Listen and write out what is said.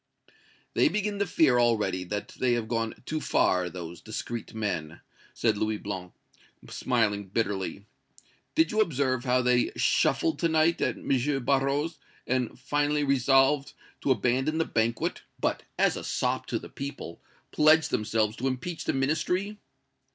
"They begin to fear already that they have gone too far, those discreet men!" said Louis Blanc, smiling bitterly. "Did you observe how they shuffled to night at M. Barrot's, and finally resolved to abandon the banquet, but, as a sop to the people, pledged themselves to impeach the Ministry?"